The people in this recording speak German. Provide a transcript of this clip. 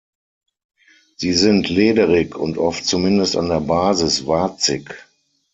Sie sind lederig und oft zumindest an der Basis warzig.